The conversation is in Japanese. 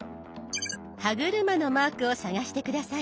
歯車のマークを探して下さい。